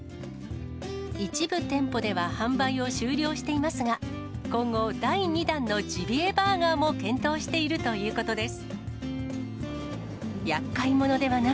一部店舗では販売を終了していますが、今後第２弾のジビエバーガーも検討しているということです。